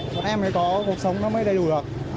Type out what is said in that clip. còn em mới có cuộc sống mới đầy đủ được